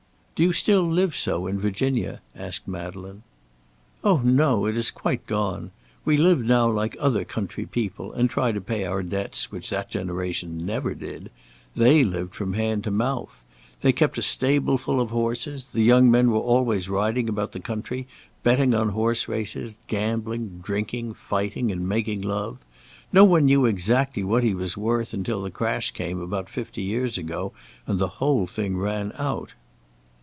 "Do you still live so in Virginia?" asked Madeleine. "Oh no, it is quite gone. We live now like other country people, and try to pay our debts, which that generation never did. They lived from hand to mouth. They kept a stable full of horses. The young men were always riding about the country, betting on horse races, gambling, drinking, fighting, and making love. No one knew exactly what he was worth until the crash came about fifty years ago, and the whole thing ran out."